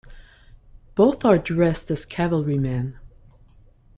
Both are dressed as cavalrymen.